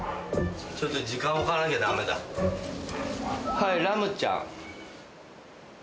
はいラムちゃん。